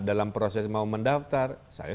dalam proses mau mendaftar saya